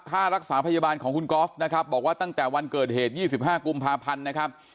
ค่ารักษาพยาบาลของคุณกรอฟบอกว่าตั้งแต่วันเกิดเหตุ๒๕กุมภาพันธุ์